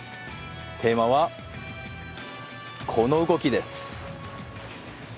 テーマは、この動きです。